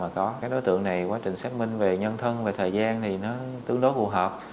có các đối tượng này quá trình xác minh về nhân thân về thời gian thì nó tương đối phù hợp